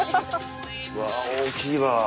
うわぁ大きいわ。